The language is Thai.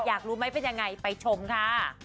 อยากรู้ไหมเป็นยังไงไปชมค่ะ